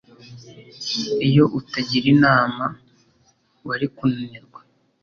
Iyo utagira inama wari kunanirwa